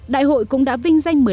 đại hội cũng đã vinh danh một mươi năm